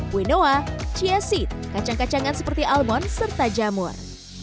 quinoa chia seed kacang kacangan seperti almon serta jamur